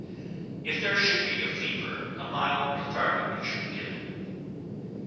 If there should be fever, a mild cathartic should be given.